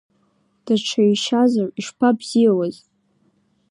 Даҽа еишьазар ишԥабзиуаз?!